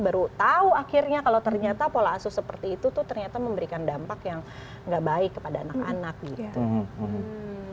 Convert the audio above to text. baru tahu akhirnya kalau ternyata pola asuh seperti itu tuh ternyata memberikan dampak yang nggak baik kepada anak anak gitu